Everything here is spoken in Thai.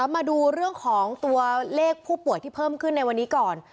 มาดูเรื่องของตัวเลขผู้ป่วยที่เพิ่มขึ้นในวันนี้ก่อน